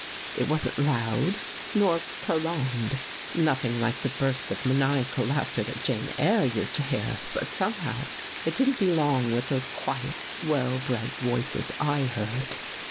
It wasn't loud nor prolonged — nothing like the bursts of maniacal laughter that Jane Eyre used to hear, but, somehow, it didn't belong with those quiet, wellbred voices I heard.